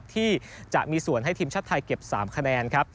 ที่จะมีส่วนให้ทีมชัดไทยเก็บ๓คะแนน